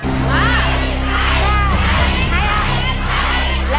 ใช้ใช้ใช้ใช้